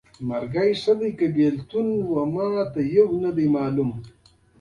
په علي چې سختې تېرې شولې اوس خپله لارې ته راغی.